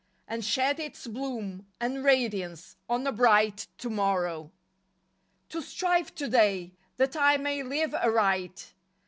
And shed its bloom And radiance on a bright tomorrow. To strive today That I may live aright.